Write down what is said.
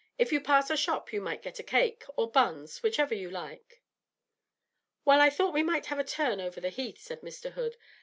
If you pass a shop you might get a cake, or buns, whichever you like.' 'Well, I thought we might have a turn over the Heath,' said Mr. Hood.